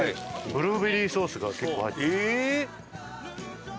ブルーベリーソースが結構入って。